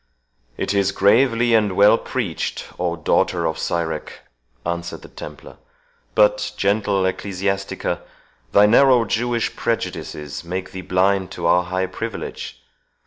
"It is gravely and well preached, O daughter of Sirach!" answered the Templar; "but, gentle Ecclesiastics, thy narrow Jewish prejudices make thee blind to our high privilege.